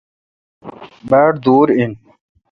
باڑ دور این۔